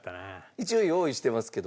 一応用意してますけど。